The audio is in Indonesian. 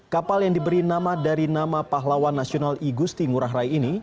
kapal yang diberi nama dari nama pahlawan nasional igusti ngurah rai ini